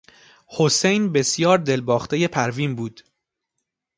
حسین بسیار دلباختهی پروین بود.